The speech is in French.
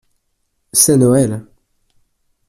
c’est Noël.